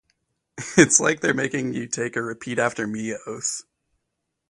It’s like they’re making you take a repeat-after-me oath.